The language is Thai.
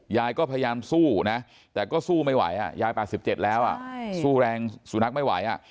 ยายก็พยายามสู้นะแต่ก็สู้ไม่ไหวยาย๘๗แล้วสู้แรงสุนัขไม่ไหว